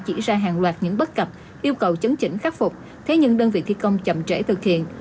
chỉ ra hàng loạt những bất cập yêu cầu chấn chỉnh khắc phục thế nhưng đơn vị thi công chậm trễ thực hiện